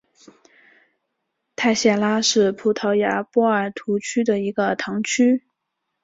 泰谢拉是葡萄牙波尔图区的一个堂区。